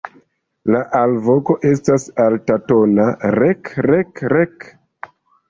La alvoko estas altatona "rek-rek-rek".